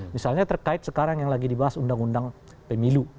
misalnya terkait sekarang yang lagi dibahas undang undang pemilu